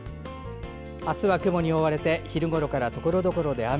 あすは雲に覆われて昼ごろからところどころで雨。